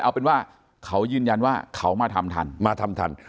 เอาเป็นว่าเขายืนยันว่าเขามาทำทันมาทำทัน